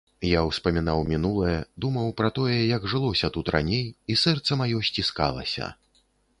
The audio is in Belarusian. Я ўспамінаў мінулае, думаў пра тое, як жылося тут раней, і сэрца маё сціскалася.